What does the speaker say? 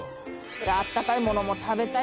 「あったかいものも食べたい。